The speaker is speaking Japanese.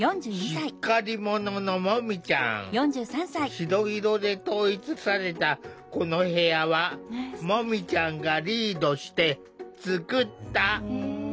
白色で統一されたこの部屋はもみちゃんがリードして作った。